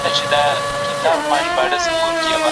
ایا څېړونکی باید د متن جوړښت وپېژني؟